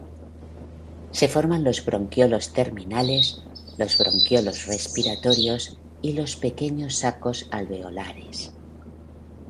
Se forman los bronquiolos terminales, los bronquiolos respiratorios y los pequeños sacos alveolares.